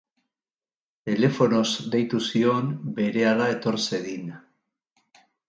Telefonoz deitu zion berehala etor zedin.